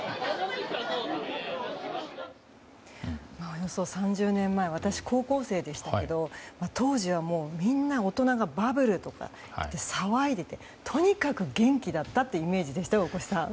およそ３０年前私、高校生でしたけど当時はみんな大人がバブルとか言って騒いでてとにかく元気だったというイメージでしたよ、大越さん。